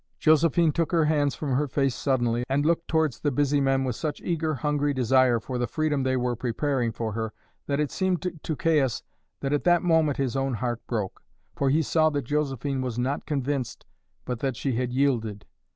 Josephine took her hands from her face suddenly, and looked towards the busy men with such eager hungry desire for the freedom they were preparing for her that it seemed to Caius that at that moment his own heart broke, for he saw that Josephine was not convinced but that she had yielded.